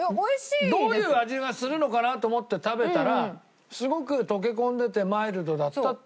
どういう味がするのかな？と思って食べたらすごく溶け込んでてマイルドだったっていう事。